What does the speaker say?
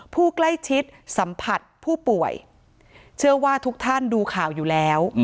ผู้ใกล้ชิดสัมผัสผู้ป่วยเชื่อว่าทุกท่านดูข่าวอยู่แล้ว